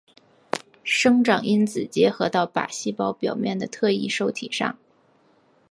生长因子结合到靶细胞表面的特异受体上。